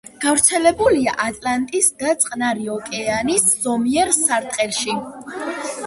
გავრცელებულია ატლანტის და წყნარი ოკეანის ზომიერ სარტყელში.